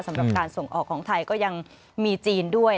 สำหรับการส่งออกของไทยก็ยังมีจีนด้วย